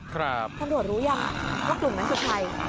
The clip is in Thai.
ครับข้อมูลรู้หรือยังว่ากลุ่มนั้นคือใคร